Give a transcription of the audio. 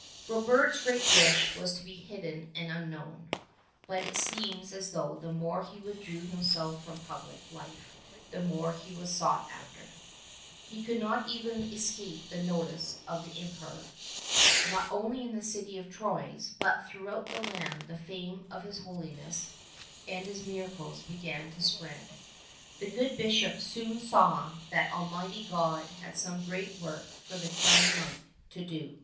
Frobert's great wish was to be hidden and unknown, but it seems as though the more he withdrew himself from public life the more he was sought after. He could not even escape the notice of the Emperor. Not only in the city of Troyes, 146 but throughout the land the fame of his holiness and his miracles began to spread. The good Bishop soon saw that Almighty God had some great work for the young monk to do.